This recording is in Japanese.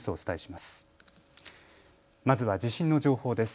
まずは地震の情報です。